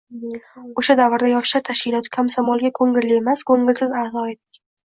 O`sha davrda yoshlar tashkiloti komsomolga ko`ngilli emas, ko`ngilsiz a`zo edik